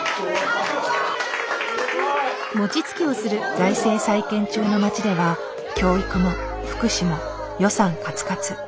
財政再建中の町では教育も福祉も予算カツカツ。